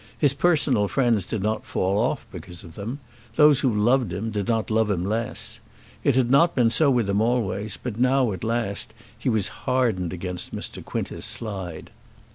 His personal friends did not fall off because of them. Those who loved him did not love him less. It had not been so with him always, but now, at last, he was hardened against Mr. Quintus Slide.